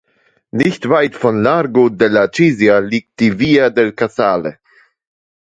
Nicht weit von Largo della Chiesa liegt die „Via del Casale“.